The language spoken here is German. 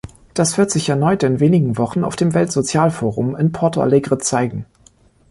Das wird sich erneut in wenigen Wochen auf dem Weltsozialforum in Porto Allegre zeigen.